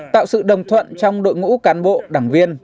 tạo sự đồng thuận trong đội ngũ cán bộ đảng viên